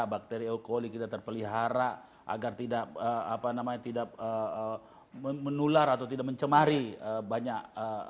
bakteri alkoholik kita terpelihara agar tidak apa namanya tidak menular atau tidak mencemari banyak